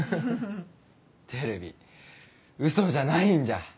テレビうそじゃないんじゃ。